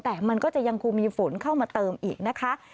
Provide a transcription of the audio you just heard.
แต่มันก็จะยังคงมีฝนเข้ามาเติมอีกนะคะ